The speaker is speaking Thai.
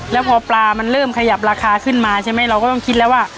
แล้วพอปลามันเริ่มขยับราคาขึ้นมาใช่ไหมเราก็ต้องคิดแล้วว่า